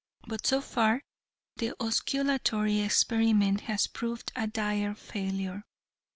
But so far the osculatory experiment has proved a dire failure.